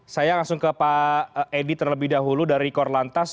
saya langsung ke pak edi terlebih dahulu dari korlantas